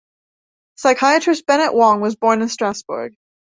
Psychiatrist Bennet Wong was born in Strasbourg.